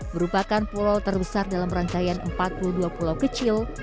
berupakan pulau terbesar dalam rangkaian empat puluh dua pulau kecil